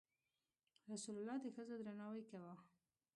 رسول الله د ښځو درناوی کاوه.